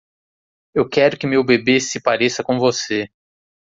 Eu quero que meu bebê se pareça com você.